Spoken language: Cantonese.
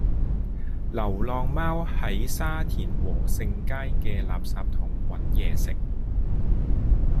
流浪貓喺沙田禾盛街嘅垃圾桶搵野食